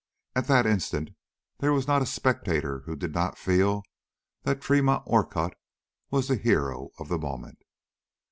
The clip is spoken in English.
At that instant there was not a spectator who did not feel that Tremont Orcutt was the hero of the moment.